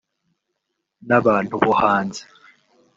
n’abantu bo hanze